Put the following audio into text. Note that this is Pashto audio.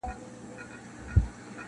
که خدای وکړه هره خوا مي پرې سمېږي.